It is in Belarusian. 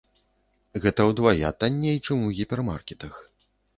Гэта ўдвая танней, чым у гіпермаркетах.